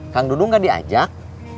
kang dudung gak diajak